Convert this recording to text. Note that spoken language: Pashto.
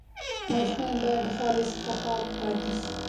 ماشومان باید د خاورو څخه پاک پاتې شي.